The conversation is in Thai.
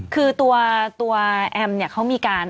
คือตัวแอมเนี่ยเขามีการ